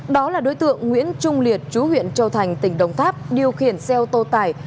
đó là đối tượng nguyễn trung liệt chú huyện châu thành tỉnh đồng tháp điều khiển xe ô tô tải